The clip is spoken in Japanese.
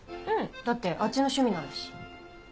うんだってあっちの趣味なんだし。